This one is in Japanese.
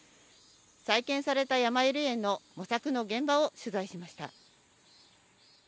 再建されたやまゆり園の模索の現場を取材しました。